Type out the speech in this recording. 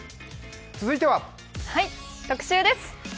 続いては特集です。